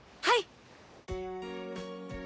はい！